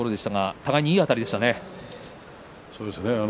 互いにいいあたりでした。